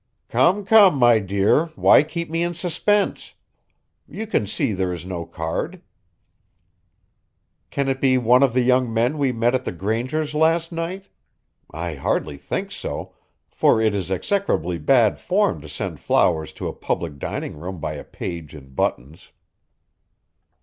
"Come, come, my dear, why keep me in suspense? You can see there is no card. Can it be one of the young men we met at the Grangers last night? I hardly think so, for it is execrably bad form to send flowers to a public dining room by a page in buttons."